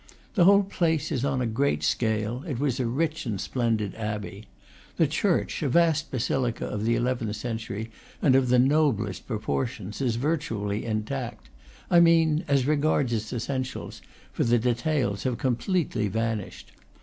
The whole place is on a great scale; it was a rich and splendid abbey. The church, a vast basilica of the eleventh century, and of the noblest proportions, is virtually intact; I mean as regards its essentials, for the details have completely vanished.